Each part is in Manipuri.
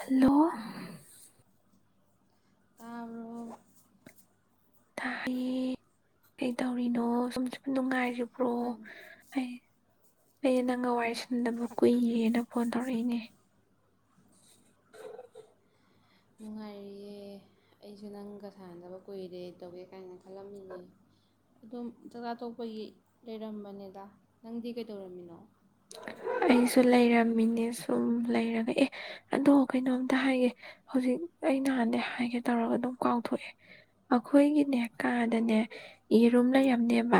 ꯍꯜꯂꯣ ꯇꯥꯣ ꯊꯥꯏꯌꯦ ꯀꯩꯇꯧꯔꯤꯅꯣ ꯁꯨꯝ ꯁꯨꯝ ꯅꯨꯡꯉꯥꯏꯔꯤꯕ ꯍ꯭ꯔꯣ ꯅꯪ ꯑꯩ ꯑꯩꯅ ꯅꯪꯒ ꯋꯥꯔꯤ ꯁꯟꯗꯕ ꯀꯨꯏꯔꯦꯅ ꯐꯣꯟ ꯇꯧꯔꯛꯏꯅꯦ ꯅꯨꯡꯉꯥꯏꯔꯤꯌꯦ ꯑꯩꯁꯨ ꯅꯪꯒ ꯁꯥꯟꯅꯅꯕ ꯀꯨꯏꯔꯦ ꯇꯧꯒꯦ ꯀꯥꯏꯅ ꯈꯜꯂꯝꯃꯤꯅꯦ ꯑꯗꯨꯝ ꯆꯥꯛꯆꯥ ꯊꯣꯛꯣꯛꯄꯒꯤ ꯂꯩꯔꯝꯕꯅꯦꯗ ꯅꯪꯗꯤ ꯀꯩꯗꯧꯔꯝꯃꯤꯅꯣ ꯑꯩꯁꯨ ꯂꯩꯔꯝꯃꯤꯅꯦ ꯁꯨꯝ ꯂꯩꯔꯒ ꯑꯦ ꯑꯗꯣ ꯀꯩꯅꯣꯝꯇ ꯍꯥꯏꯒꯦ ꯍꯧꯖꯤꯛ ꯑꯩ ꯅꯍꯥꯟꯗ ꯍꯥꯏꯒꯦ ꯇꯧꯔꯒ ꯑꯗꯨꯝ ꯀꯥꯎꯊꯣꯛꯑꯦ ꯑꯩꯈꯣꯏꯒꯤꯅꯦ ꯀꯥꯗꯅꯦ ꯌꯦꯔꯨꯝ ꯑꯥ ꯂꯩꯔꯝꯅꯦꯕ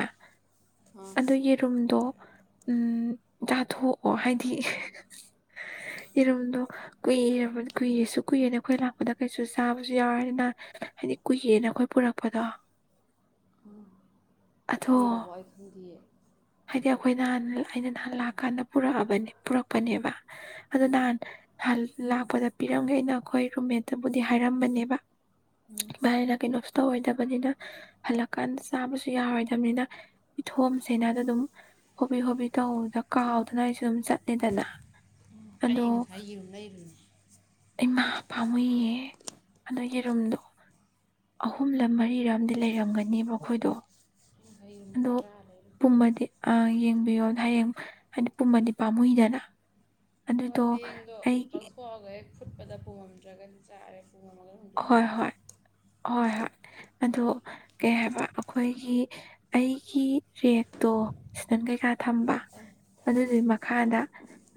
ꯑꯥ ꯑꯗꯨ ꯌꯦꯔꯨꯝꯗꯣ ꯎꯝ ꯆꯥꯊꯣꯛꯑꯣ ꯍꯥꯏꯗꯤ ꯌꯦꯔꯨꯝꯗꯣ ꯀꯨꯏ ꯀꯨꯏꯔꯁꯨ ꯀꯨꯏꯔꯦꯅ ꯑꯩꯈꯣꯏ ꯂꯥꯛꯄꯗ ꯀꯩꯁꯨ ꯆꯥꯕꯁꯨ ꯌꯥꯎꯔꯅꯤꯅ ꯍꯥꯏꯗꯤ ꯀꯨꯏꯔꯦꯅ ꯑꯩꯈꯣꯏ ꯄꯨꯔꯛꯄꯗꯣ ꯑꯗꯣ ꯀꯨꯏꯔꯕꯣ ꯑꯩ ꯈꯪꯗ ꯑꯩꯣꯏꯍꯥꯟ ꯑꯩꯅ ꯅꯍꯥꯟ ꯂꯥꯛ ꯀꯥꯟꯗ ꯄꯨꯔꯛꯑꯕꯅꯤ ꯄꯨꯔꯛꯄꯅꯦꯕ ꯑꯗꯨꯗ ꯎꯝ ꯅꯥꯟ ꯍꯜ ꯂꯥꯛꯄꯗ ꯄꯤꯔꯝꯒꯦ ꯑꯩꯅ ꯑꯩꯈꯣꯏ ꯔꯨꯝꯃꯦꯠꯇꯕꯨꯗꯤ ꯍꯥꯏꯔꯝꯕꯅꯦꯕ ꯎꯝ ꯔ ꯊꯒꯦ ꯅꯁ ꯍ ꯊꯦ ꯅꯤꯅ ꯍꯜꯂꯛꯀꯥꯟꯗ ꯆꯥꯕꯁꯨ ꯌꯥꯔꯣꯏꯗꯕꯅꯤꯅ ꯏꯊꯣꯝꯁꯦꯅ ꯑꯗꯨꯝ ꯍꯣꯕꯤ ꯍꯣꯕꯤ ꯇꯧꯗ ꯀꯥꯎꯗꯅ ꯑꯩꯁꯨ ꯑꯗꯨꯝ ꯆꯠꯂꯦꯗꯅ ꯑꯗꯣ ꯑꯩ ꯉꯁꯥꯏ ꯌꯦꯔꯨꯝ ꯂꯩꯔꯨꯏꯅꯦ ꯑꯩꯃꯥ ꯄꯥꯝꯃꯨꯏꯌꯦ ꯑꯗꯨꯏ ꯌꯦꯔꯨꯝꯗꯣ ꯑꯍꯨꯝꯂ ꯃꯔꯤꯔꯝꯗꯤ ꯂꯩꯔꯝꯒꯅꯦꯕ ꯑꯩꯈꯣꯏꯗꯣ ꯑꯩ ꯉꯁꯥꯏ ꯌꯦꯔꯨꯝ ꯑꯗꯣ ꯇꯔꯥ ꯂꯩꯔꯨ ꯄꯨꯝꯃꯗꯤ ꯑ ꯌꯦꯡ ꯃꯤꯉꯣꯟꯗ ꯍꯌꯦꯡ ꯍꯥꯏꯗꯤ ꯄꯨꯝꯃꯗꯤ ꯄꯥꯝꯃꯨꯏꯗꯅ ꯍꯣꯏ ꯑꯗꯨꯗꯣ ꯍꯌꯦꯡꯗꯣ ꯑꯩꯒꯤ ꯂꯧꯊꯣꯛꯑꯒ ꯍꯦꯛ ꯐꯨꯠꯄꯗ ꯄꯨꯝꯗ꯭ꯔꯒꯗꯤ ꯆꯥꯔꯦ ꯄꯨꯝꯃꯝꯃꯒ ꯍꯣꯏ ꯍꯨꯟꯗꯣꯛꯈ꯭ꯔꯕꯅꯤ ꯍꯣꯏ ꯍꯣꯏ ꯍꯣꯏ ꯑꯗꯣ ꯀꯩ ꯍꯥꯏꯕ ꯑꯈꯣꯏꯒꯤ ꯑꯩꯒꯤ ꯔꯦꯛꯇꯣ ꯁꯤꯗꯟ ꯀꯩꯀꯥ ꯊꯝꯕ ꯑꯗꯨꯗꯨꯏ ꯃꯈꯥꯗ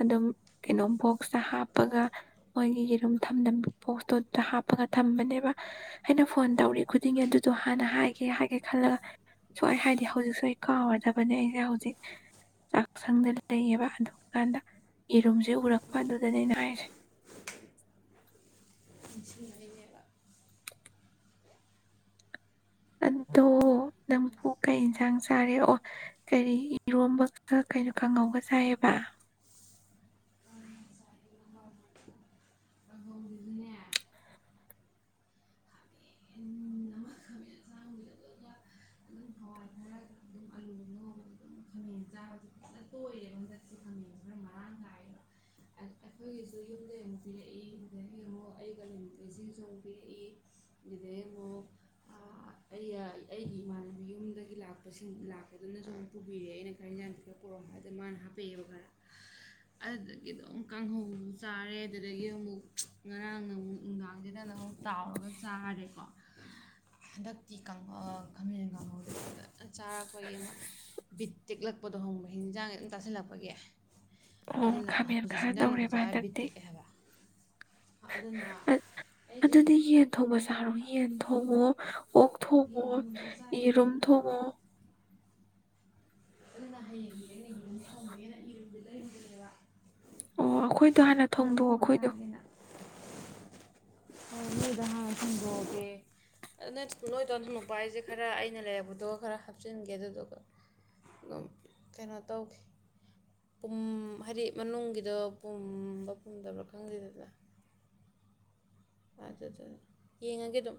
ꯑꯗꯨꯝ ꯀꯩꯅꯣꯝ ꯕꯣꯛꯁꯇ ꯍꯥꯞꯄꯒ ꯃꯣꯏꯒꯤ ꯌꯦꯔꯨꯝ ꯊꯝꯂꯝ ꯕꯣꯛꯁꯇꯣꯗ ꯍꯥꯞ ꯄꯒ ꯊꯝꯕꯅꯦꯕ ꯑꯩꯅ ꯐꯣꯟ ꯇꯧꯔꯤ ꯈꯨꯗꯤꯡꯒꯤ ꯑꯗꯨꯗꯣ ꯍꯥꯟꯅ ꯍꯥꯏꯒꯦ ꯍꯥꯏꯒꯦ ꯈꯜꯂꯒ ꯁꯨꯍꯥꯏ ꯍꯥꯏꯗꯦ ꯍꯧꯖꯤꯛꯁꯨ ꯑꯩ ꯀꯥꯎꯔꯗꯕꯅꯦ ꯑꯩꯁꯦ ꯍꯧꯖꯤꯛ ꯆꯥꯛꯁꯪꯗ ꯂꯩꯌꯦꯕ ꯑꯗꯨ ꯀꯥꯟꯗ ꯌꯦꯔꯨꯝꯖꯦ ꯎꯔꯛꯄ ꯑꯗꯨꯗꯅꯦ ꯑꯩꯅ ꯍꯥꯏꯔꯤꯖꯦ ꯅꯤꯡꯁꯤꯡꯉꯛꯏꯅꯦꯕ ꯑꯗꯣ ꯅꯪꯕꯨꯨ ꯀꯩ ꯏꯟꯖꯥꯡ ꯆꯥꯔꯦ ꯑꯣ ꯀꯔꯤ ꯏꯔꯣꯝꯕ ꯒ ꯀꯩꯅꯣ ꯀꯥꯡꯍꯧꯒ ꯆꯥꯏꯌꯦꯕ ꯀꯥꯡꯍꯧꯖꯤꯖꯨꯅꯦ ꯈꯥꯃꯦꯟ ꯑꯃ ꯈꯥꯃꯦꯟ ꯑꯁꯥꯡꯕꯤꯗꯣ ꯑꯗꯨꯒ ꯑꯗꯨꯝ ꯍꯋꯥꯏ ꯈꯔ ꯏꯟꯖꯥꯡꯖꯦ ꯐꯖꯅ ꯇꯣꯏꯔꯦꯕ [unintelligible] ꯅꯨꯡꯇꯤꯒꯤ ꯑꯩ ꯑꯗꯨꯗꯒꯤ ꯑꯃꯨꯛ ꯑꯩꯒ ꯂꯩꯃꯤꯟꯅꯩꯁꯤꯡꯁꯨ ꯑꯃꯨꯛ ꯄꯤꯔꯛꯏ ꯑꯗꯨꯗꯩ ꯑꯃꯨꯛ ꯑꯥ ꯑꯩꯒ ꯑꯩꯒꯤ ꯏꯃꯥꯟꯅꯕꯤ ꯌꯨꯝꯗꯒꯤ ꯂꯥꯛꯄꯁꯤꯡ ꯂꯥꯛꯄꯗꯨꯅꯁꯨ ꯑꯃꯨꯛ ꯄꯨꯕꯤꯔꯛꯑꯦ ꯑꯩꯅ ꯈꯔ ꯏꯟꯖꯥꯡ ꯈꯤꯇꯥ ꯄꯨꯔꯛꯑꯣ ꯍꯥꯏꯗ ꯃꯥꯅ ꯍꯥꯞꯄꯛꯑꯦꯕ ꯈꯔ ꯑꯗꯨꯗꯒꯤ ꯑꯗꯨꯝ ꯀꯥꯡꯍꯧ ꯆꯥꯔꯦ ꯑꯗꯨꯗꯒꯤ ꯑꯃꯨꯛ ꯉꯔꯥꯡꯅ ꯑꯃꯨꯛ ꯅꯨꯡꯗꯥꯡꯁꯤꯗꯅ ꯑꯃꯨꯛ ꯇꯥꯎꯔꯒ ꯆꯥꯔꯦꯀꯣ ꯍꯟꯗꯛꯇꯤ ꯀꯥꯡꯍꯧ ꯈꯥꯃꯦꯟ ꯀꯥꯡꯍꯧꯖꯦ ꯐꯖ ꯐꯟ ꯆꯥꯔꯛꯄꯒꯤ ꯑꯃ ꯕꯤꯠ ꯇꯦꯛꯂꯛꯄꯗꯣ ꯈꯡꯕ꯭ꯔꯥ ꯍꯤꯟꯖꯥꯡ ꯑꯗꯨꯝ ꯆꯥꯁꯤꯜꯂꯛꯄꯒꯤ ꯑꯣ ꯑꯗꯨꯅ ꯍꯧꯖꯤꯛꯁꯦ ꯍꯤꯟꯖꯥꯡ ꯅꯥꯄꯤ ꯆꯥ ꯕꯤꯠ ꯇꯦꯛꯑꯦ ꯍꯥꯏꯕ ꯑꯗꯨꯅ ꯑ ꯑꯩꯁꯦ ꯑꯗꯨꯗꯤ ꯌꯦꯟ ꯊꯣꯡꯕ ꯆꯥꯔꯣ ꯌꯦꯟ ꯊꯣꯡꯕ ꯑꯣ ꯌꯦꯟ ꯊꯣꯡꯕꯗꯨꯖꯨ ꯆꯥꯏꯌꯦ ꯅꯍꯥꯟ ꯊꯣꯡꯉꯣ ꯑꯗꯨꯅ ꯍꯌꯦꯡꯖꯤꯗꯤ ꯑꯩꯅ ꯌꯦꯔꯨꯝ ꯊꯣꯡꯒꯅꯤꯅ ꯌꯦꯔꯨꯝꯖꯦ ꯂꯩꯔꯨꯕꯅꯦꯕ ꯑꯣ ꯑꯈꯣꯏꯗꯣ ꯍꯥꯟꯅ ꯊꯣꯡꯗꯣꯛꯑꯣ ꯑꯈꯣꯏꯗꯣ ꯑꯣ ꯅꯣꯏꯗꯣ ꯍꯥꯟꯅ ꯊꯣꯡꯗꯣꯛꯑꯒꯦ ꯑꯗ ꯅꯣꯏ ꯅꯣꯏꯗꯣ ꯍꯥꯟꯅ ꯊꯣꯡꯗꯣꯛꯄ ꯍꯥꯏꯖꯦ ꯈꯔ ꯑꯩꯅ ꯂꯩꯛꯄꯗꯣ ꯈꯔ ꯍꯥꯞꯆꯤꯟꯒꯦ ꯑꯗꯨꯗꯨꯒ ꯑꯗꯨꯝ ꯀꯩꯅꯣ ꯇꯧꯒꯦ ꯄꯨꯝ ꯍꯥꯏꯗꯤ ꯃꯅꯨꯡꯒꯤꯗꯣ ꯄꯨꯝꯕ ꯄꯨꯝꯗꯕ꯭ꯔꯥ ꯈꯪꯗꯦꯗꯗꯅ ꯑꯗꯨꯗꯨ ꯌꯦꯡꯉꯒꯦ ꯑꯗꯨꯝ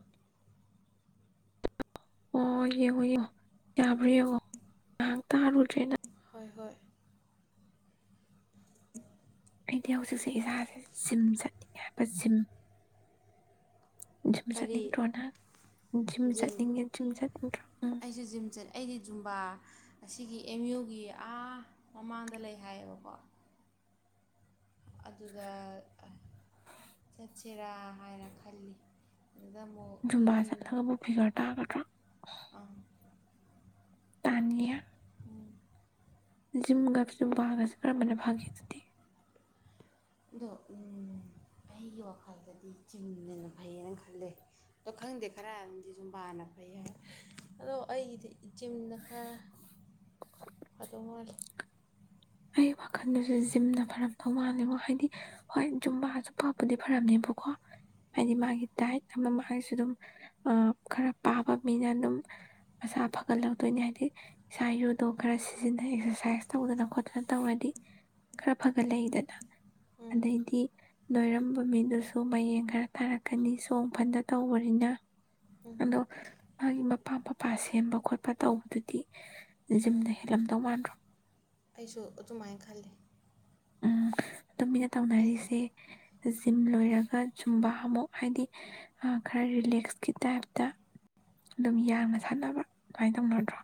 ꯑꯣ ꯌꯦꯡꯉꯣ ꯌꯦꯡꯉꯣ ꯌꯥꯕ꯭ꯔ ꯌꯦꯡꯉꯣ ꯉꯍꯥꯛ ꯇꯥꯔꯨꯗ꯭ꯔꯦꯅ ꯍꯣꯏ ꯍꯣꯏ ꯑꯩꯗꯤ ꯍꯧꯖꯤꯛꯁꯦ ꯏꯁꯥꯖꯦ ꯖꯤꯝ ꯆꯠꯅꯤꯡꯉꯦ ꯍꯥꯏꯕ ꯖꯤꯝ ꯨꯖꯤꯝ ꯀꯔꯤ ꯆꯠꯅꯤꯡꯗ꯭ꯔꯣ ꯅꯪ ꯖꯤꯝ ꯆꯠꯅꯤꯡꯉꯦ ꯖꯤꯝ ꯆꯠꯅꯤꯡꯠꯗ꯭ꯔꯣ ꯎꯝ ꯑꯩꯁꯨ ꯖꯤꯝ ꯆꯠ ꯑꯩꯗꯤ ꯖꯨꯝꯕꯥ ꯑꯁꯤꯒꯤ ꯑꯦꯝ ꯌꯨꯒꯤ ꯑꯥ ꯃꯃꯥꯡꯗ ꯂꯩ ꯍꯥꯏꯌꯦꯕꯀꯣ ꯑꯗꯨꯗ ꯑ ꯆꯠꯁꯤꯔꯥ ꯍꯥꯏꯅ ꯈꯜꯂꯤ ꯑꯗꯨꯗ ꯑꯃꯨꯛ ꯖꯨꯝꯕꯥ ꯌꯨꯝ ꯆꯠꯂꯒꯕꯨ ꯐꯤꯒꯔ ꯇꯥꯒꯗ꯭ꯔꯣ ꯑꯥ ꯇꯥꯥꯟꯅꯤꯌꯦ ꯎꯝ ꯖꯤꯝꯒ ꯖꯨꯝꯕꯥꯒꯖꯦ ꯀꯔꯝꯕꯅ ꯐꯒꯦ ꯑꯗꯨꯗꯤ ꯑꯗꯣ ꯎꯝ ꯑꯩꯒꯤ ꯋꯥꯈꯜꯗꯗꯤ ꯖꯤꯝꯅꯦꯅ ꯐꯩꯌꯦꯅ ꯈꯜꯂꯦ ꯑꯗꯣ ꯈꯪꯗꯦ ꯈꯔ ꯑꯝꯗꯤ ꯖꯨꯝꯕꯥꯅ ꯐꯩ ꯍꯥꯏ ꯑꯗꯣ ꯑꯩꯒꯤꯗꯤ ꯖꯤꯝꯅ ꯈꯔ ꯐꯗꯧ ꯃꯥꯜꯂꯤ ꯑꯩ ꯋꯥꯈꯜꯗꯖꯨ ꯖꯤꯝꯅ ꯐꯔꯝꯗꯧ ꯃꯥꯜꯂꯦꯉꯣ ꯍꯥꯏꯗꯤ ꯍꯣꯏ ꯖꯨꯝꯕꯥꯖꯨ ꯐꯕꯨꯗꯤ ꯐꯔꯝꯅꯦꯕꯀꯣ ꯎꯝ ꯍꯥꯏꯅꯤꯃꯒꯤꯦ ꯇꯥꯏ ꯃꯥꯡꯁꯨ ꯑꯗꯨꯝ ꯈꯔ ꯄꯥꯕ ꯃꯤꯅ ꯑꯗꯨꯝ ꯃꯁꯥ ꯐꯒꯠꯍꯧꯗꯣꯏꯅꯤ ꯍꯥꯏꯗꯤ ꯏꯁꯥ ꯌꯨꯗꯣ ꯈꯔ ꯁꯤꯖꯤꯟꯅ ꯑꯦꯛꯁꯔꯁꯥꯏꯁ ꯇꯧꯗꯅ ꯈꯣꯠꯇ ꯐꯖꯅ ꯇꯧꯔꯗꯤ ꯈꯔ ꯐꯒꯠꯂꯗꯅ ꯎꯝ ꯑꯗꯩꯗꯤ ꯅꯣꯏꯔꯝꯕ ꯃꯤꯗꯨꯁꯨ ꯃꯌꯦꯡ ꯈꯔ ꯊꯥꯔꯛꯀꯅꯤ ꯆꯣꯡ ꯐꯟꯗ ꯇꯧꯕꯅꯤꯅ ꯎꯝ ꯑꯗꯣ ꯍꯥꯏ ꯃ ꯑꯄꯥꯝ ꯑꯄꯥ ꯁꯦꯝꯕ ꯈꯣꯠꯄ ꯇꯧꯕꯗꯨꯗꯤ ꯍꯣꯏ ꯖꯤꯝꯅ ꯍꯦꯜꯂꯝꯗꯧ ꯃꯥꯟꯗ꯭ꯔꯣ ꯑꯩꯁꯨ ꯑꯗꯨꯃꯥꯏꯅ ꯈꯜꯂꯤ ꯎꯝ ꯇꯨꯃꯤꯟꯅ ꯍꯥꯏꯗꯤ ꯇꯧꯅꯔꯤꯁꯦ ꯖꯤꯝ ꯂꯣꯏꯔꯒ ꯆꯨꯝꯕ ꯑꯃꯨꯛ ꯍꯥꯏꯗꯤ ꯈꯔ ꯔꯤꯂꯦꯛꯁꯀꯤ ꯇꯥꯏꯞꯇ ꯑꯗꯨꯝ ꯎꯝ ꯌꯥꯡꯅ ꯁꯥꯟꯅꯕ ꯑꯗꯨꯃꯥꯏꯅ ꯇꯧꯅꯗ꯭ꯔꯣ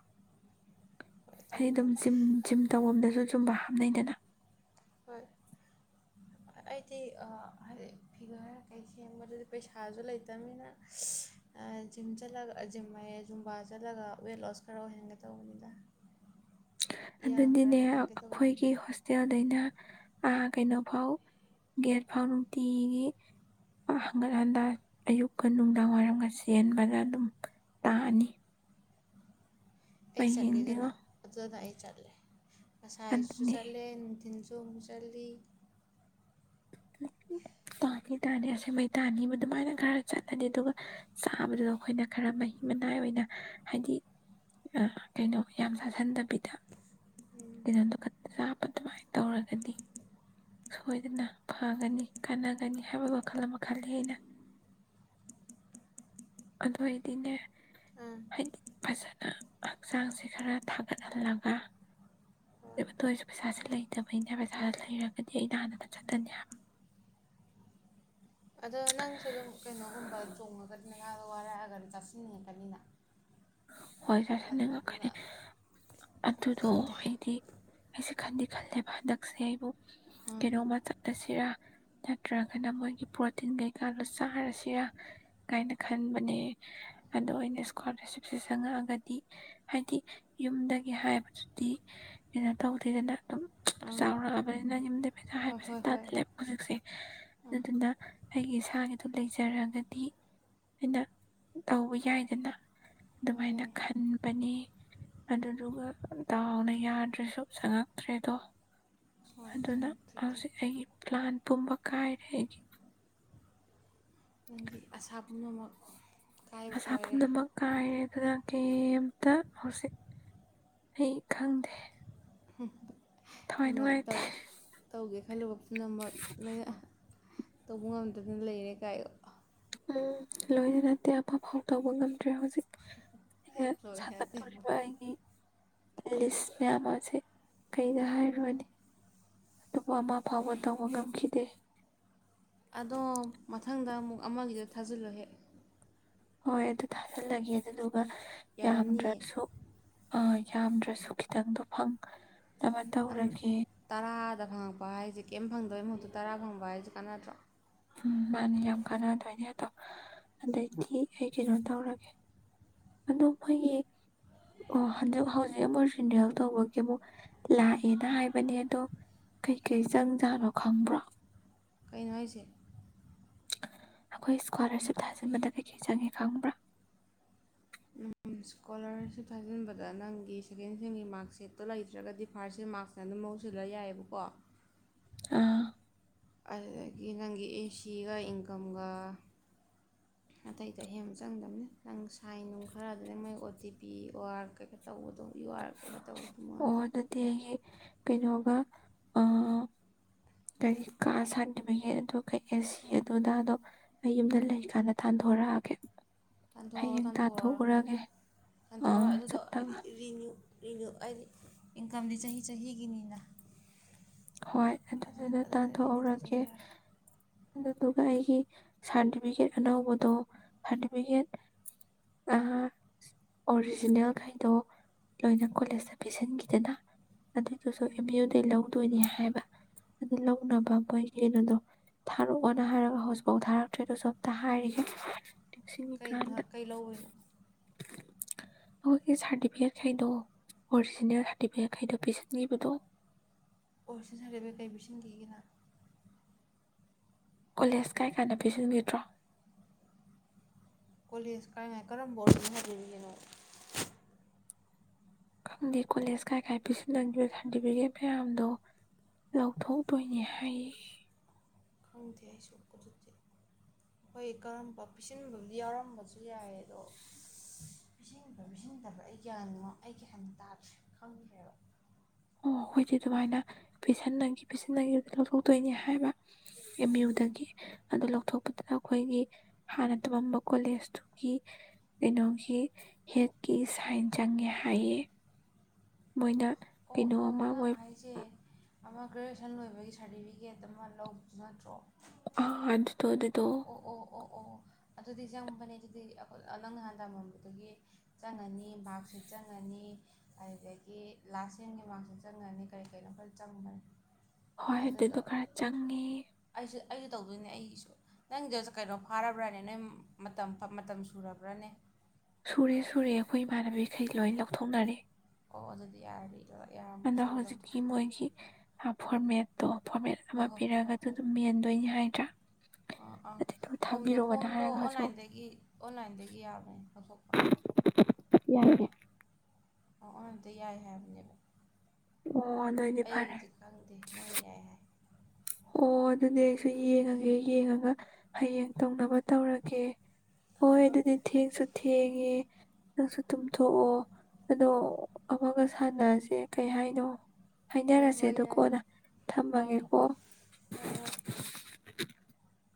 ꯍꯣꯏ ꯑꯩ ꯇꯧꯅꯩ ꯑꯗꯨꯝ ꯖꯤꯝ ꯖꯤꯝ ꯇꯧꯕꯗꯁꯨ ꯁꯨꯝꯕ ꯍꯥꯞꯅꯩꯗꯅ ꯍꯣꯏ ꯑꯩꯗꯤ ꯍꯥꯏꯗꯤ ꯐꯤꯒꯔ ꯀꯩ ꯁꯦꯝꯦꯡꯕꯗꯨꯗꯤ ꯄꯩꯁꯥꯁꯨ ꯂꯩꯇꯕꯅꯤꯅ ꯖꯤꯝ ꯆꯠꯂꯒ ꯖꯤꯝ ꯖꯨꯝꯕꯥ ꯆꯠꯂꯒ ꯋꯦꯠ ꯂꯣꯁ ꯈꯔ ꯑꯣꯏꯍꯟꯒ ꯇꯧꯕꯅꯤꯗ ꯏꯌꯥꯡ ꯈꯔ ꯑꯗꯨꯗꯤꯅꯦ ꯀꯪꯍꯟꯒꯦ ꯇꯧꯕꯅꯤ ꯑꯩꯈꯣꯏꯒꯤ ꯍꯣꯁꯇꯦꯜꯗꯩꯅ ꯀꯩꯅꯣ ꯐꯥꯎ ꯒꯦꯠ ꯐꯥꯎ ꯅꯨꯡꯇꯤꯒꯤ ꯍꯟꯒꯠ ꯍꯟꯗꯥ ꯑꯌꯨꯛꯀ ꯅꯨꯡꯗꯥꯡꯋꯥꯏꯔꯝꯒ ꯆꯦꯟꯕꯗ ꯑꯗꯨꯝ ꯇꯥꯑꯅꯤ ꯑꯩ ꯆꯠꯂꯦꯒꯅ ꯑꯗꯨꯗ ꯑꯩ ꯆꯠꯂꯦ ꯉꯁꯥꯏꯖꯁꯨ ꯑꯗꯨꯅꯦ ꯆꯠꯂꯦ ꯅꯨꯡꯊꯤꯟꯁꯨ ꯊꯨꯝ ꯆꯜꯂꯤ ꯇꯥꯅꯤ ꯇꯥꯅꯤ ꯑꯁꯦꯡ ꯃꯩ ꯇꯥꯅꯤꯕ ꯑꯗꯨꯃꯥꯏꯅ ꯈꯔ ꯆꯠꯂꯅꯤ ꯑꯗꯨꯒ ꯆꯥꯕꯗꯨꯗ ꯑꯩꯈꯣꯏꯅ ꯈꯔ ꯃꯍꯤ ꯃꯅꯥꯏ ꯑꯣꯏꯅ ꯍꯥꯏꯗꯤ ꯀꯩꯅꯣ ꯌꯥꯝ ꯆꯥꯥꯁꯟꯗꯕ ꯄꯗ ꯏ ꯀ ꯑꯗꯨꯃꯥꯏꯅ ꯇꯧꯔꯒꯗꯤ ꯁꯣꯏꯗꯅ ꯐꯒꯅꯤ ꯀꯥꯟꯅꯒꯅꯤ ꯍꯥꯏꯕ ꯋꯥꯈꯜ ꯑꯃ ꯈꯜꯂꯤ ꯑꯩꯅ ꯑꯗꯨ ꯑꯣꯏꯗꯤꯅꯦ ꯑꯥ ꯍꯥꯏꯗꯤ ꯐꯖꯅ ꯍꯛꯆꯥꯡꯁꯦ ꯈꯔ ꯊꯥꯒꯠꯍꯜꯂꯒ ꯍꯣꯏ ꯑꯗꯨꯇ ꯑꯣꯏꯔꯁꯨ ꯄꯩꯁꯥꯁꯦ ꯂꯩꯇꯕꯩꯅꯦ ꯄꯩꯁꯥꯁ ꯂꯩꯔꯒꯗꯤ ꯑꯩꯩꯅ ꯍꯥꯟꯅ ꯑꯗꯨ ꯆꯠꯀꯅꯤ ꯍꯥꯏꯕ ꯑꯗꯣ ꯅꯪꯁꯨ ꯑꯗꯨꯝ ꯀꯩꯅꯣꯒꯨꯝꯕ ꯆꯣꯡꯉꯒꯗꯤ ꯅꯥꯗ ꯋꯥꯔꯛꯑꯒꯗꯤ ꯆꯥꯁꯤꯟꯅꯤꯡꯉꯛꯀꯅꯤꯅ ꯍꯣꯏ ꯆꯁꯤꯅꯤꯡ ꯑꯗꯨꯅ ꯉꯛꯀꯅꯤ ꯑꯗꯨꯗꯣ ꯈꯪꯗꯦ ꯑꯩꯗꯤ ꯑꯩꯁ ꯈꯟꯗꯤ ꯈꯜꯂꯦꯕ ꯍꯟꯗꯛꯁꯦ ꯑꯩꯕꯨ ꯑꯥ ꯀꯩꯅꯕ ꯆꯠꯁꯤ ꯔ ꯅꯠꯇ꯭ꯔꯒꯅ ꯃꯣꯏꯒꯤ ꯄ꯭ꯔꯣꯇꯤꯟ ꯀꯩꯀꯥꯗꯣ ꯆꯥꯔꯁꯤꯔꯥ ꯀꯥꯏꯅ ꯈꯟꯕꯅꯦ ꯑꯗꯣꯩꯅ ꯏꯁꯀ ꯁꯦ ꯆꯪꯉꯛꯑꯒꯗꯤ ꯍꯥꯏꯗꯤ ꯌꯨꯝꯗꯒꯤ ꯍꯥꯏꯕꯗꯨꯗꯤ ꯀꯩꯅꯣ ꯇꯧꯗꯦꯗꯅ ꯑꯗꯨꯝ ꯑꯥ ꯆꯥꯎꯔꯛꯑꯕꯅꯤꯅ ꯌꯨꯝꯗ ꯄꯩꯁꯥ ꯍꯣꯏ ꯍꯥꯏꯕꯁꯦ ꯍꯣꯏ ꯍꯣꯏ ꯇꯥꯜꯂꯦꯕ ꯍꯧꯖꯤꯛꯁꯦ ꯑꯥ ꯑꯗꯨꯗꯨꯅ ꯑꯩꯒꯤ ꯏꯁꯥꯒꯤꯗꯣ ꯂꯩꯖꯔꯒꯗꯤ ꯑꯩꯅ ꯇꯧꯕ ꯌꯥꯏꯗꯅ ꯍꯣꯏ ꯑꯗꯨꯃꯥꯏꯅ ꯌꯥꯏ ꯈꯟꯕꯅꯤ ꯑꯗꯨꯗꯨꯒ ꯇꯗꯥꯥꯎꯅ ꯌꯥꯗ꯭ꯔꯁꯨ ꯆꯪꯉꯛꯇ꯭ꯔꯦꯗꯣ ꯍꯣꯏ ꯑꯗꯨꯅ ꯆꯪꯉꯛꯇ꯭ꯔꯦ ꯍꯧꯖꯤꯛ ꯑꯗꯨꯕꯨꯗꯤ ꯑꯩꯒꯤ ꯄ꯭ꯂꯥꯟ ꯄꯨꯝꯕ ꯀꯥꯏꯔꯒ ꯅꯪꯒꯤ ꯑꯁꯥ ꯄꯨꯝꯅꯃꯛ ꯑꯀꯥꯏꯕ ꯑꯁꯥ ꯑꯣꯏꯔꯦ ꯄꯨꯝꯅꯃꯛ ꯀꯥꯏꯔꯦ ꯑꯗꯨꯗ ꯀꯩꯝꯇ ꯍꯧꯖꯤꯛ ꯑꯩ ꯈꯪꯗꯦ ꯍꯝ ꯊꯋꯥꯏ ꯑꯩꯅꯧ ꯅꯨꯡꯉꯥꯏꯇꯦ ꯇꯧꯒꯦ ꯍꯜꯂꯣ ꯄꯨꯝꯅꯃꯛ ꯂꯩ ꯇꯧꯕ ꯉꯝꯗꯗꯅ ꯂꯩꯔꯦ ꯀꯥꯏ ꯎꯝ ꯂꯣꯏꯅ ꯅꯠꯇꯦ ꯑꯐꯐꯥꯎ ꯇꯧꯕ ꯉꯝꯗ꯭ꯔꯦ ꯍꯧꯖꯤꯛ ꯑꯩꯩꯅ ꯂꯣꯏ ꯅꯠꯇꯦꯕꯣ ꯁꯥꯒꯠꯇꯣꯔꯤꯕ ꯑꯩꯒꯤ ꯂꯤꯁ ꯃꯃꯁꯦ ꯀꯩꯗ ꯍꯥꯏꯔꯨꯔꯅꯤ ꯑ ꯑꯃꯥ ꯐꯥꯎꯕ ꯇꯧꯕ ꯉꯝꯈꯤꯗꯦ ꯑꯗꯣ ꯃꯊꯪꯗ ꯑꯃꯨꯛ ꯑꯃꯒꯤꯗ ꯊꯥꯖꯤꯜꯂꯣꯍꯦ ꯍꯣꯏ ꯑꯗꯨ ꯊꯥꯖꯤꯜꯂꯒꯦ ꯑꯗꯨꯗꯨ ꯌꯥꯔꯝꯅꯤꯌꯦ ꯌꯥꯝꯗ꯭ꯔꯁꯨ ꯌꯥꯝꯗ꯭ꯔꯁꯨ ꯈꯤꯇꯪꯗꯣ ꯐꯪ ꯅꯪ ꯇꯔꯥꯗ ꯐꯪꯉꯛꯄ ꯍꯥꯏꯁꯦ ꯀꯩꯝ ꯐꯪꯗꯦ ꯑꯣꯏ ꯃꯍꯨꯠꯇꯨ ꯇꯔꯥ ꯈꯪꯕ ꯍꯥꯏꯁꯤ ꯀꯥꯟꯅꯗ꯭ꯔꯣ ꯎꯝ ꯃꯥꯅꯦ ꯌꯥꯝ ꯀꯥꯟꯅꯗꯣꯏꯅꯦ ꯑꯗꯣ ꯑꯗꯩꯗꯤ ꯑꯩ ꯀꯩꯅꯣ ꯇꯧꯔꯒꯦ ꯑꯗꯣ ꯃꯣꯏꯒꯤ ꯑꯣ ꯍꯧꯟꯖꯤꯛ ꯍꯧꯖꯤꯛ ꯑꯃꯨꯛꯖꯤꯗꯦꯜ ꯇꯧꯕꯒꯤ ꯑꯃꯨꯛ ꯂꯥꯛꯑꯦꯅ ꯍꯥꯏꯕꯅꯦ ꯑꯗꯣ ꯀꯩꯀꯩ ꯆꯪꯖꯥꯠꯅꯣ ꯈꯪꯕ꯭ꯔꯣ ꯀꯩꯅꯣ ꯍꯥꯏꯁꯦ ꯑꯩꯈꯣꯏ ꯏꯁꯀꯣꯂꯥꯔꯁꯤꯞ ꯊꯥꯖꯤꯟꯕꯗ ꯀꯩꯀꯩ ꯆꯪꯉꯦ ꯈꯪꯕ꯭ꯔꯥ ꯏꯁꯀꯣꯂꯥꯔꯁꯤꯞ ꯊꯥꯖꯤꯟꯕꯗ ꯅꯪꯒꯤ ꯁꯦꯀꯦꯟ ꯁꯤꯦꯟꯒꯤ ꯃꯥꯔꯛ ꯁꯦꯠꯇꯣ ꯂꯩꯇ꯭ꯔꯒꯗꯤ ꯐꯥꯔꯁ ꯁꯤꯔ ꯃꯥꯔꯛꯁꯅ ꯑꯗꯨꯝ ꯃꯍꯧꯁꯤꯜꯂ ꯌꯥꯏꯑꯕꯀꯣ ꯑꯥ ꯑꯗꯨꯗꯒꯤ ꯅꯪꯒꯤ ꯑꯦ ꯁꯤꯒ ꯏꯟꯀꯝꯒ ꯑꯇꯩꯗꯤ ꯑꯍꯦꯟꯕ ꯆꯪꯗꯝꯕꯅꯤ ꯅꯪ ꯁꯥꯏꯟ ꯅꯨꯡ ꯈꯔ ꯑꯗꯨꯅꯦ ꯃꯣꯏ O T P U R ꯀꯩꯀꯥ ꯇꯧꯕꯗꯣ ꯌꯨ ꯑꯥꯔ ꯀꯩꯀꯥ ꯇꯧꯕꯗꯣ ꯃꯣꯏ ꯑꯣ ꯑꯗꯨꯗꯤ ꯑꯩ ꯀꯩꯅꯣꯒ ꯑ ꯀꯔꯤ ꯀꯥ ꯁꯥꯥꯟꯈꯤꯕꯒꯦ ꯑ ꯀꯩ ꯑꯦ ꯁꯤ ꯑꯗꯨꯗꯗꯣ ꯑꯩ ꯌꯨꯝꯗ ꯂꯩꯀꯥꯟꯗ ꯊꯥꯟꯗꯣꯔꯛꯑꯒꯦ ꯇꯥꯟꯊꯣꯛꯎꯔꯣ ꯇꯥꯟꯊꯣꯛꯎꯔꯣ ꯇꯥꯟꯊꯣꯛꯎꯔꯣ ꯑꯥ ꯑꯗꯨꯗꯣ ꯍꯥꯏꯗꯤ ꯆꯞꯇꯒ ꯔꯤꯅ꯭ꯌꯨ ꯑꯩꯗꯤ ꯏꯟꯀꯝꯗꯤ ꯆꯍꯤ ꯆꯍꯤꯒꯤꯅꯤꯅ ꯍꯣꯏ ꯑꯗꯨ ꯑꯗꯨꯗꯨꯗ ꯑꯗꯨꯅ ꯔꯤꯅ꯭ꯌꯨ ꯇꯧꯗꯕ ꯇꯥꯟꯊꯣꯛꯍꯧꯔꯒꯦ ꯌꯥꯔꯣꯏ ꯑꯗꯨꯗꯨꯒ ꯑꯩꯒꯤ ꯁꯥꯔꯇꯤꯐꯤꯀꯦꯠ ꯑꯅꯧꯕꯗꯣ ꯁꯥꯔꯇꯤꯐꯤꯀꯦꯠ ꯑꯣꯔꯤꯖꯤꯅꯦꯜꯈꯩꯗꯣ ꯂꯣꯏꯅ ꯀꯣꯂꯦꯖꯇ ꯄꯤꯁꯤꯟꯈꯤꯗꯅ ꯑꯗꯨꯏꯗꯨꯁꯨ ꯑꯦꯝ ꯌꯨꯗꯩ ꯂꯧ ꯇꯣꯏꯅꯤ ꯍꯥꯏꯕ ꯑꯗꯨ ꯂꯧꯅꯕ ꯑꯩꯈꯣꯏꯒꯤ ꯀꯩꯅꯣꯗꯣ ꯊꯥꯔꯛꯑꯣꯅ ꯍꯥꯏꯔꯒ ꯍꯧꯖꯤꯛꯐꯥꯎ ꯊꯥꯔꯛꯇ꯭ꯔꯦ ꯑꯗꯨꯗꯁꯨ ꯑꯝꯇ ꯍꯥꯏꯔꯤꯒꯦ ꯀꯩ ꯅꯤꯡꯁꯤꯡꯉꯤꯀꯥꯟꯗ ꯅꯣꯍꯥꯛ ꯀꯩ ꯂꯧꯧꯕꯅꯣ ꯑꯩꯈꯣꯏꯒꯤ ꯁꯥꯔꯇꯤꯐꯤꯀꯦꯠ ꯈꯩꯗꯣ ꯑꯣꯔꯤꯖꯤꯅꯦꯜ ꯁꯥꯔꯇꯤꯐꯤꯀꯦꯠ ꯈꯩꯗꯣ ꯄꯤꯁꯤꯟꯈꯤꯕꯗꯣ ꯑꯣ ꯁꯤꯟꯟꯅꯔꯒ ꯀꯩ ꯄꯤꯁꯤꯟꯈꯤꯒꯦꯅ ꯀꯣꯂꯦꯖ ꯀꯥꯏ ꯀꯥꯟꯅ ꯄꯤꯁꯤꯟꯕꯤꯗ꯭ꯔꯣ ꯀꯣꯂꯦꯖ ꯀꯥꯏꯅꯥꯏ ꯀꯔꯝꯕ ꯑꯣꯏ ꯍꯥꯏꯜꯂꯤꯔꯤꯅꯣ ꯈꯪꯗꯦ ꯀꯣꯂꯦꯖ ꯀꯥꯏ ꯀꯥꯏ ꯄꯤꯁꯤꯜꯂꯈꯤꯕ ꯁꯥꯔꯇꯤꯐꯤꯀꯦꯠ ꯃꯌꯥꯝꯗꯣ ꯂꯧꯊꯣꯛꯇꯣꯏꯅꯤ ꯍꯥꯏ ꯈꯪꯗꯦ ꯑꯩꯁꯨ ꯑꯗꯨꯗꯤ ꯑꯩꯈꯣꯏ ꯀꯔꯝꯕ ꯄꯤꯁꯤꯟꯕꯕꯨꯗꯤ ꯌꯥꯎꯔꯝꯕꯁꯨ ꯌꯥꯏ ꯑꯗꯣ ꯄꯤꯁꯤꯟꯕ ꯄꯤꯁꯤꯟꯗꯕ꯭ꯔꯥ ꯑꯩ ꯒ꯭ꯌꯥꯅꯣ ꯑꯩ ꯀꯍꯟꯅ ꯇꯥꯗ꯭ꯔꯦ ꯈꯪꯗ꯭ꯔꯦꯕ ꯃꯈꯣꯏꯗꯤ ꯑꯗꯨꯃꯥꯏꯅ ꯄꯁꯤꯟꯅꯈꯤ ꯄꯁꯤꯟꯅꯈꯤ ꯂꯧꯊꯣꯛꯇꯣꯏꯅꯤ ꯍꯥꯏꯕ ꯑꯦꯝ ꯎꯝ ꯌꯨꯗꯒꯤ ꯑꯗꯨ ꯂꯧꯊꯣꯛꯄꯗꯨꯗ ꯑꯩꯈꯣꯏꯒꯤ ꯍꯥꯟꯅ ꯇꯝꯃꯝꯕ ꯀꯣꯂꯦꯖꯇꯨꯒꯤ ꯀꯩꯅꯣꯒꯤ ꯍꯦꯠꯀꯤ ꯁꯥꯏꯟ ꯆꯪꯉꯦ ꯍꯥꯏꯌꯦ ꯃꯣꯏꯅ ꯑꯣ ꯀꯩꯅꯣ ꯑꯣ ꯑꯃ ꯅꯪ ꯃꯣꯏ ꯍꯥꯏꯁꯦ ꯑꯃ ꯒ꯭ꯔꯦꯖꯨꯑꯦꯁꯟ ꯂꯣꯏꯕꯒꯤ ꯁꯥꯔꯇꯤꯐꯤꯀꯦꯠ ꯑꯃ ꯂꯧꯕꯗꯨ ꯅꯠꯇ꯭ꯔꯣ ꯑ ꯑꯗꯨꯗ ꯇꯣ ꯑꯗꯨ ꯑꯗꯨ ꯑꯣ ꯇꯣ ꯑꯣ ꯑꯣ ꯑꯣ ꯑꯣ ꯑꯗꯨꯗꯤ ꯆꯪꯕꯅꯦ ꯑꯗꯨꯗꯤ ꯅꯪ ꯅꯍꯥꯟ ꯇꯃꯝꯕꯗꯨꯒꯤ ꯆꯪꯉꯅꯤ ꯔ ꯁꯦꯠ ꯆꯪꯉꯅꯤ ꯑꯗꯨꯗꯒꯤ ꯂꯥꯁ ꯌꯦꯦꯟꯒꯤ ꯃꯥꯔꯛꯁ ꯆꯪꯒꯅꯤ ꯀꯔꯤ ꯀꯔꯤꯅꯣ ꯑꯩꯈꯣꯏ ꯆꯪꯒꯅꯤ ꯍꯣꯏ ꯑꯗꯨꯗꯣ ꯈꯔ ꯆꯪꯉꯦ ꯑꯩꯁꯨ ꯑꯩꯁꯨ ꯇꯧꯗꯣꯏꯅꯦ ꯑꯩꯒꯤꯁꯨ ꯅꯪꯗ ꯀꯩꯅꯣ ꯐꯥꯔꯕ꯭ꯔꯅꯦ ꯅꯪ ꯃꯇꯝ ꯃꯇꯝ ꯁꯨꯔꯕ꯭ꯔꯥꯅꯦ ꯁꯨꯔꯦ ꯁꯨꯔꯦ ꯑꯩꯈꯣꯏ ꯏꯃꯥꯟꯅꯕꯤꯈꯩ ꯂꯣꯏ ꯂꯧꯊꯣꯛꯅꯔꯦ ꯎꯖꯗꯤ ꯌꯥꯔꯤ ꯑꯗꯣ ꯍꯧꯖꯤꯛꯀꯤ ꯃꯣꯏꯒꯤ ꯍꯥꯄꯔ ꯃꯦꯣ ꯐꯣꯔꯃꯦꯠ ꯑꯃ ꯍꯣꯏ ꯍꯣꯏ ꯄꯤꯔꯛꯑꯒ ꯍꯣꯏ ꯑꯗꯨ ꯍꯣꯏ ꯑꯗꯨꯝ ꯍꯣꯏ ꯌꯦꯟꯗꯣꯏꯅꯤ ꯍꯥꯏꯗ꯭ꯔꯥ ꯑꯥ ꯑꯥ ꯑꯗꯨꯗꯨ ꯐꯣꯝꯗꯣ ꯊꯝꯕꯤꯔꯛꯑꯣꯅ ꯐꯣꯝꯗꯣ ꯍꯥꯏꯔꯒ ꯍꯧꯖꯤꯛ ꯑꯣꯟꯂꯥꯏꯟꯗꯒꯤ ꯑꯣꯟꯂꯥꯏꯟꯗꯒꯤ ꯌꯥꯕꯅꯦ ꯂꯧꯊꯣꯛꯄ ꯌꯥꯏꯔꯦ ꯑꯣꯗꯤ ꯌꯥꯏ ꯍꯥꯏꯕꯅꯦꯕ ꯑꯣ ꯑꯗꯨꯑꯣꯏꯗꯤ ꯑꯩ ꯐꯔꯦ ꯍꯧꯗꯤꯛ ꯈꯪꯗꯦ ꯃꯣꯏꯅ ꯌꯥꯏ ꯍꯥꯏ ꯑꯣ ꯑꯗꯨꯗꯤ ꯑꯩꯁꯨ ꯌꯦꯡꯉꯒꯦ ꯌꯦꯡꯉꯒ ꯍꯌꯦꯡ ꯇꯧꯅꯕ ꯇꯧꯔꯒꯦ ꯍꯣꯏ ꯑꯗꯨꯗꯤ ꯊꯦꯡꯁꯨ ꯊꯦꯡꯉꯦ ꯅꯪꯁꯨ ꯇꯨꯝꯊꯣꯛꯑꯣ ꯑꯗꯣ ꯑꯃꯒ ꯁꯥꯟꯅꯔꯁꯦ ꯀꯩ ꯍꯥꯏꯅꯣ ꯍꯥꯏꯅꯔꯁꯦ ꯍꯣꯏ ꯑꯗꯨ ꯌꯥꯏ ꯀꯣꯟꯅ ꯊꯝꯃꯒꯦꯀꯣ ꯑꯍꯣꯏ [inaudible]